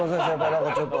何かちょっと。